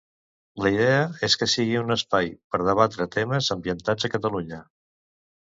La idea és que sigui un espai per debatre temes ambientals a Catalunya.